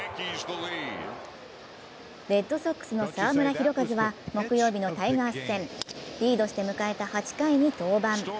レッドソックスの澤村拓一は木曜日のタイガース戦、リードして迎えた８回に登板。